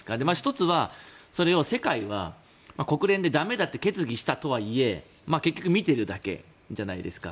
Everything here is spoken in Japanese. １つは、それを世界は国連で駄目だと決議したとはいえ結局見ているだけじゃないですか。